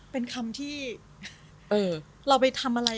เป็นคำที่เราไปทำอะไร